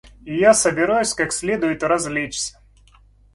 И я собираюсь как следует развлечься.